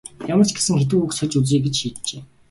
Ямар ч гэсэн хэдэн үг сольж үзье гэж шийджээ.